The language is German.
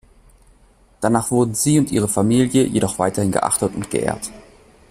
Danach wurden sie und ihre Familie jedoch weiterhin geachtet und geehrt.